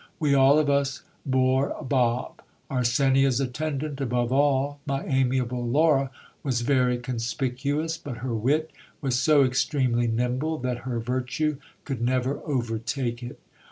We all of us bore a bob. Arsenia's attendant above all, my amiable Laura, was very conspicuous ; but her wit was so extremely nimble, that her virtue could never overtake it.